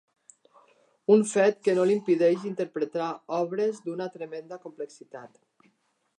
Un fet que no li impedeix interpretar obres d'una tremenda complexitat.